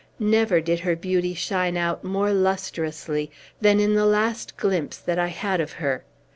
Never did her beauty shine out more lustrously than in the last glimpse that I had of her.